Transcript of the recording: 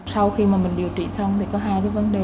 sau khi điều trị xong có hai vấn đề